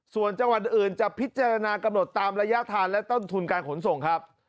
ส่วนจังหวัดอื่นจะพิจารณากำหนดตามระยะทางและต้นทุนการขนส่งครับ